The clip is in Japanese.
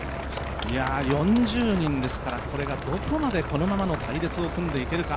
４０人ですから、これがどこまでこのままの隊列を組んでいけるか。